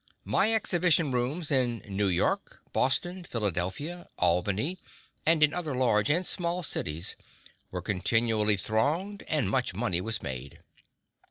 My exhibition rooms in New York, Boston, Philadelphia, Albany and in other large and small cities, were continually thronged and much money was made.